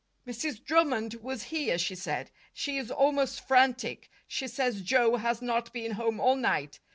"Mrs. Drummond was here," she said. "She is almost frantic. She says Joe has not been home all night.